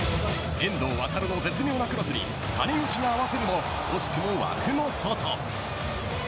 遠藤航の絶妙なクロスに谷口が合わせるも惜しくも枠の外。